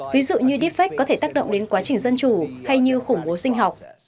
ví dụ như deepfake có thể tác động đến quá trình dân chủ hay như khủng bố sinh học